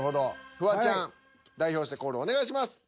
フワちゃん代表してコールお願いします。